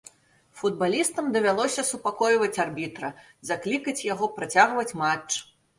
Футбалістам давялося супакойваць арбітра, заклікаць яго працягваць матч.